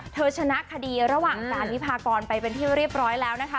ชนะคดีระหว่างการวิพากรไปเป็นที่เรียบร้อยแล้วนะคะ